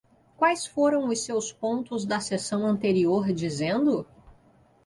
Quais foram os seus pontos da sessão anterior dizendo?